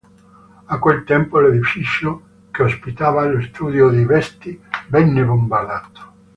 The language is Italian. A quel tempo l'edificio che ospitava lo studio di "Vesti" venne bombardato.